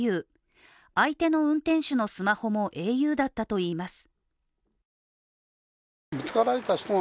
相手の運転手のスマホもａｕだったといいます。